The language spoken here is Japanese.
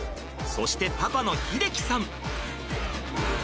そしてパパの秀輝さん。